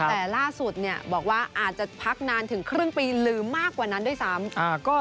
แต่ล่าสุดบอกว่าอาจจะพักนานถึงครึ่งปีหรือมากกว่านั้นด้วยซ้ำ